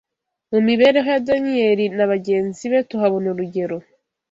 Mu mibereho ya Daniyeli na bagenzi be tuhabona urugero